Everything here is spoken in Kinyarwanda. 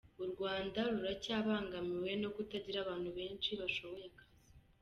U Rwanda ruracyabangamiwe no kutagira abantu benshi bashoboye akazi.